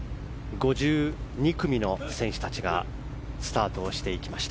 ５２組の選手たちがスタートをしていきました。